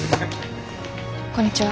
こんにちは。